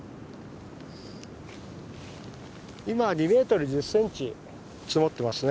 今２ｍ１０ｃｍ積もってますね